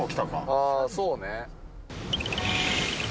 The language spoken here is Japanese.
あぁそうね。